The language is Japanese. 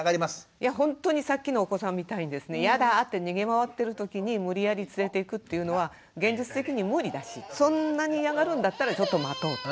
いやほんとにさっきのお子さんみたいにやだって逃げ回ってるときに無理やり連れていくっていうのは現実的に無理だしそんなに嫌がるんだったらちょっと待とうと。